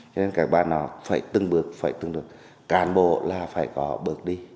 cho nên các bàn nó phải từng bước phải từng bước cản bộ là phải có bước đi